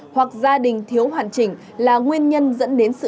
hoặc gia đình thiếu hoàn chỉnh là nguyên nhân dẫn đến sự